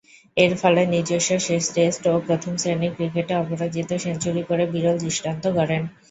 এরফলে নিজস্ব শেষ টেস্ট ও প্রথম-শ্রেণীর ক্রিকেটে অপরাজিত সেঞ্চুরি করে বিরল দৃষ্টান্ত গড়েন।